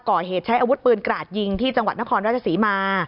ก่อเหตุใช้อาวุธปืนกราดยิงที่จังหวัดนครราชศรีมา